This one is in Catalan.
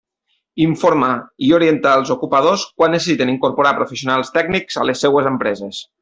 Informar i orientar els ocupadors quan necessiten incorporar professionals tècnics a les seues empreses.